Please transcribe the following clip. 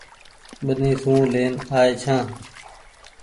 ٻني سون لين آئي ڇآن ۔